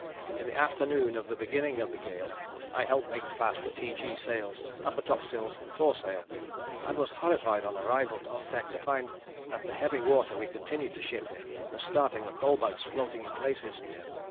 "In the afternoon of the beginning of the gale I helped make fast the T.G. sails, upper topsails and foresail, and was horrified on arrival on deck to find that the heavy water we continued to ship, was starting the coal bags floating in places.